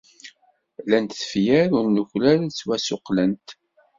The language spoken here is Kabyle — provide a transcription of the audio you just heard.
Llant tefyar ur nuklal ad ttwasuqlent.